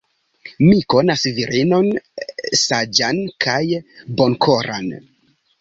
Mi konas virinon saĝan kaj bonkoran.